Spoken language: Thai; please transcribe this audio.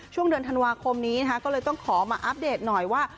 ช่วงเดือนธันวาคมนี้นะคะก็เลยต้องขอมาอัปเดตหน่อยว่า